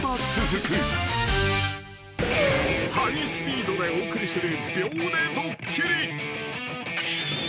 ［ハイスピードでお送りする］